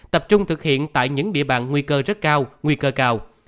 tập trung thực hiện tại những địa bàn nguy cơ rất cao nguy cơ cao